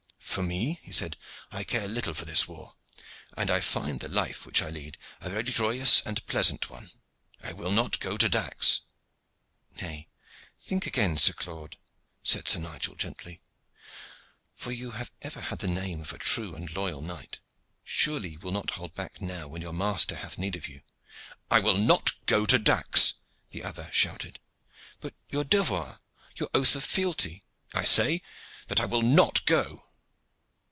"For me," he said, "I care little for this war, and I find the life which I lead a very joyous and pleasant one. I will not go to Dax." "Nay, think again, Sir Claude," said Sir Nigel gently; "for you have ever had the name of a true and loyal knight. Surely you will not hold back now when your master hath need of you." "I will not go to Dax," the other shouted. "But your devoir your oath of fealty?" "I say that I will not go."